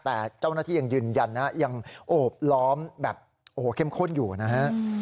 แต่เจ้าหน้าที่ยังยืนยันนะยังโอบล้อมแบบโอ้โหเข้มข้นอยู่นะฮะ